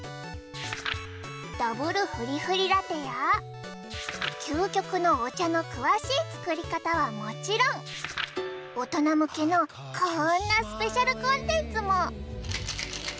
ダブルフリフリラテや究極のお茶の詳しい作り方はもちろん大人向けのこんなスペシャルコンテンツも！